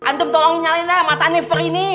antum tolong nyalain lah mata aneh perih ini